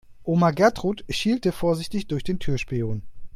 Oma Gertrud schielte vorsichtig durch den Türspion.